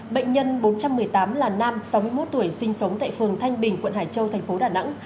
bệnh nhân bốn trăm một mươi tám là nam sáu mươi một tuổi sinh sống tại phường thanh bình quận hải châu thành phố đà nẵng